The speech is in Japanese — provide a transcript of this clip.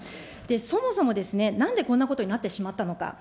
そもそもなんでこんなことになってしまったのか。